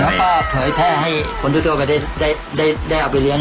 แล้วก็เผยแพร่ให้คนทั่วไปได้เอาไปเลี้ยง